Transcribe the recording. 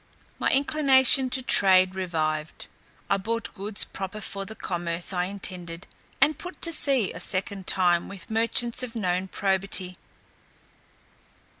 My inclination to trade revived. I bought goods proper for the commerce I intended, and put to sea a second time with merchants of known probity.